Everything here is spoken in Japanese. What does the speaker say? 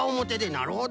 なるほど。